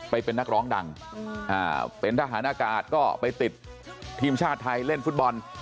ไปเป็นนักร้องดังเป็นทหารอากาศก็ไปติดทีมชาติไทยเล่นฟุตบอล